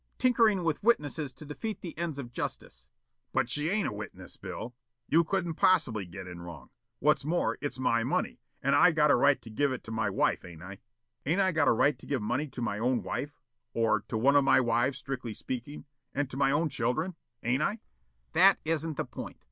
tinkering with witnesses to defeat the ends of justice." "But she ain't a witness, Bill. You couldn't possibly get in wrong. What's more, it's my money, and I got a right to give it to my wife, ain't I? Ain't I got a right to give money to my own wife, or to one of my wives, strictly speakin', and to my own children? Ain't I?" "That isn't the point.